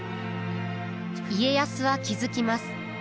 家康は気付きます。